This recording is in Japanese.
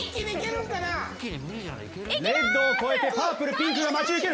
レッドを越えてパープルピンクが待ち受ける。